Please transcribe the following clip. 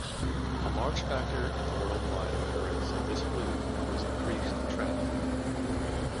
A large factor in the worldwide occurrence of this flu was increased travel.